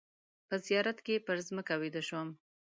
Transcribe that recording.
په زیارت کې پر مځکه ویده شوم.